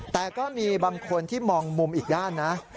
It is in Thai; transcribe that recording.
แต่ก็มีบางคนที่มองมุมอีกด้านนะ